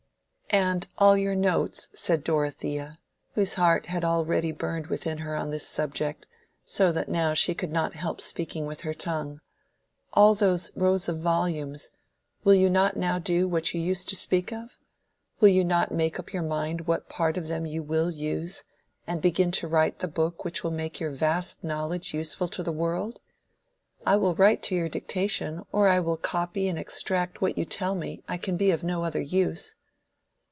"And all your notes," said Dorothea, whose heart had already burned within her on this subject, so that now she could not help speaking with her tongue. "All those rows of volumes—will you not now do what you used to speak of?—will you not make up your mind what part of them you will use, and begin to write the book which will make your vast knowledge useful to the world? I will write to your dictation, or I will copy and extract what you tell me: I can be of no other use."